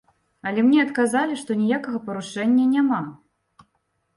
Але мне адказалі, што ніякага парушэння няма.